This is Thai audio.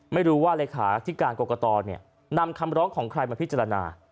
ไม่รู้ว่าเลขาที่การกรกตนำคำร้องของใครมาพิจารณา